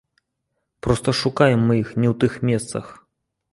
Проста шукаем мы іх не ў тых месцах.